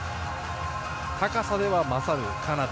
高さでは勝るカナダ。